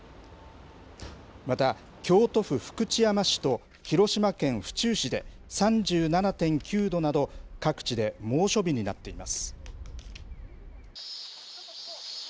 また京都府福知山市と、広島県府中市で３７．９度など、各地で猛暑日になっています。